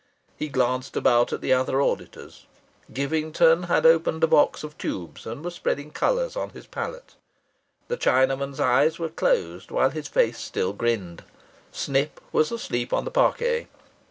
He glanced about at the other auditors. Givington had opened a box of tubes and was spreading colours on his palette. The Chinaman's eyes were closed while his face still grinned. Snip was asleep on the parquet.